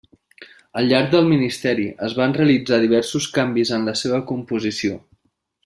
Al llarg del ministeri, es van realitzar diversos canvis en la seva composició.